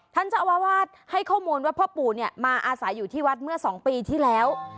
ท่านเจ้าอาวาสให้ข้อมูลว่าพ่อปู่เนี่ยมาอาศัยอยู่ที่วัดเมื่อ๒ปีที่แล้ว